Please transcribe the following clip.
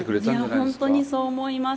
本当にそう思います。